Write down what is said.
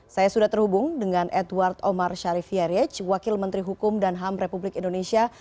saya sudah terhubung dengan edward omar sharif yariej wakil menteri hukum dan ham republik indonesia